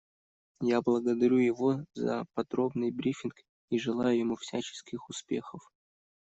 Я благодарю его за подробный брифинг и желаю ему всяческих успехов.